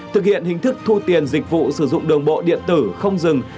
thực hiện hình thức thu tiền dịch vụ sử dụng đường bộ điện tử không dừng